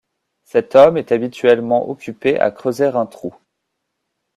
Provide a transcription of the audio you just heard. Cet homme est habituellement occupé à creuser un trou.